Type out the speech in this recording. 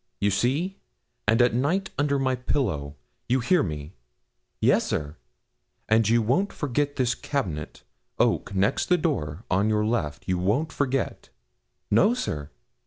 'You see? and at night under my pillow you hear me?' 'Yes, sir.' 'You won't forget this cabinet oak next the door on your left you won't forget?' 'No, sir.'